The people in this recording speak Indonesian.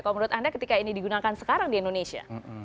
kalau menurut anda ketika ini digunakan sekarang di indonesia